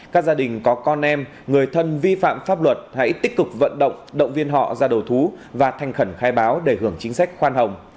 các gia đình có con em người thân vi phạm pháp luật hãy tích cực vận động động viên họ ra đầu thú và thành khẩn khai báo để hưởng chính sách khoan hồng